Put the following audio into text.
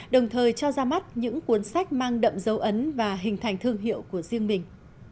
đồng thời cho ra mắt những cuốn sách mang đậm dấu ấn và hình thành thương hiệu của riêng mình